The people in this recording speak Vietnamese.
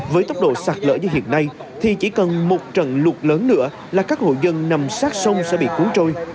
với tốc độ sạt lở như hiện nay thì chỉ cần một trận lụt lớn nữa là các hộ dân nằm sát sông sẽ bị cuốn trôi